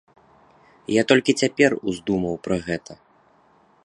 Я толькі цяпер уздумаў пра гэта.